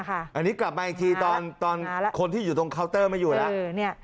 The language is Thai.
อันนี้กลับมาอีกทีตอนคนที่อยู่ตรงเคาน์เตอร์ไม่อยู่แล้ว